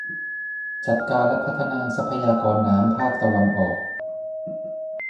จัดการและพัฒนาทรัพยากรน้ำภาคตะวันออก